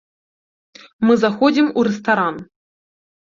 Мы заходзім у рэстаран.